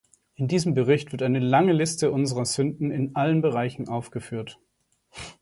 In diesem Bericht wird eine lange Liste unserer Sünden in allen Bereichen aufgeführt.